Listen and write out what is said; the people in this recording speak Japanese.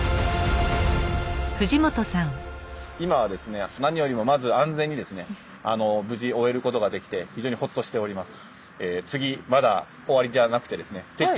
今はですね何よりもまず安全にですね無事終えることができて非常にほっとしております。